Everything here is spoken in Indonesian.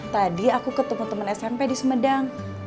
tadi aku ketemu temen smp di sumedang